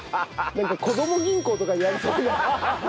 なんか子ども銀行とかにありそうな。